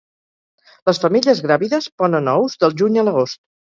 Les femelles gràvides ponen ous del juny a l'agost.